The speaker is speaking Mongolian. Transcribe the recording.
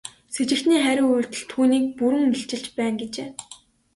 Сэжигтний хариу үйлдэл түүнийг бүрэн илчилж байна гэжээ.